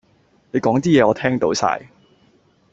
你講啲嘢我聽到晒